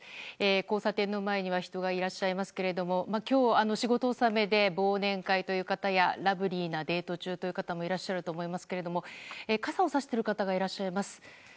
交差点の前には人がいらっしゃいますけれども今日、仕事納めで忘年会という方やラブリーなデート中という方もいらっしゃると思いますけど傘をさしている方がいらっしゃいます。